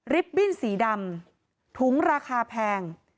ลิฟต์บิ้นสีดำถุงราคาแพง